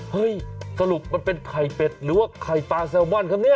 สรุปมันเป็นไข่เป็ดหรือว่าไข่ปลาแซลมอนครับเนี่ย